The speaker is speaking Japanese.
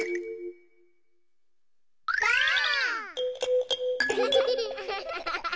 ばあっ！